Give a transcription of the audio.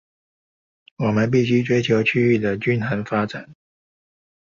我們必須追求區域的均衡發展